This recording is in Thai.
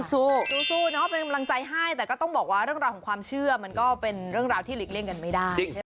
สู้สู้เนอะเป็นกำลังใจให้แต่ก็ต้องบอกว่าเรื่องราวของความเชื่อมันก็เป็นเรื่องราวที่หลีกเลี่ยงกันไม่ได้ใช่ไหม